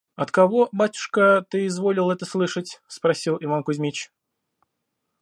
– «От кого, батюшка, ты изволил это слышать?» – спросил Иван Кузмич.